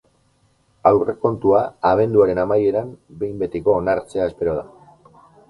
Aurrekontua abenduaren amaieran behin betiko onartzea espero da.